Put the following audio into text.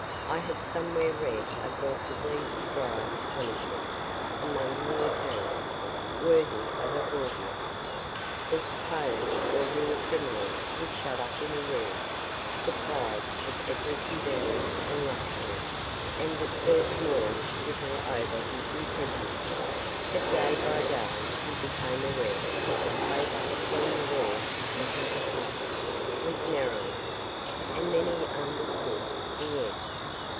I have somewhere read a forcibly described punishment among the Italians, worthy of a Borgia. The supposed or real criminal was shut up in a room, supplied with every convenience and luxury; and at first mourned little over his imprisonment. But day by day he became aware that the space between the walls of his apartment was narrowing, and then he understood the end.